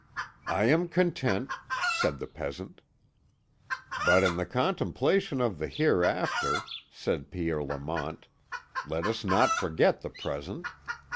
"I am content," said the peasant. "But in the contemplation of the Hereafter," said Pierre Lamont, "let us not forget the present.